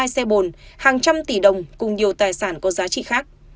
hai mươi hai xe bồn hàng trăm tỷ đồng cùng nhiều tài sản có giá trị khác